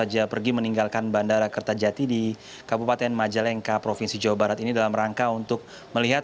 dia pergi meninggalkan bandara kertajati di kabupaten majalengka provinsi jawa barat ini dalam rangka untuk melihat